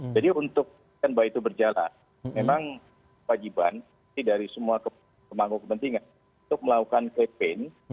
jadi untuk bahwa itu berjalan memang wajiban dari semua kemangku kepentingan untuk melakukan campaign